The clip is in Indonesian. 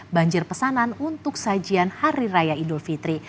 banjir pesanan untuk sajian hari raya idul fitri